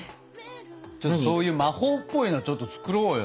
ちょっとそういう魔法っぽいのちょっと作ろうよ。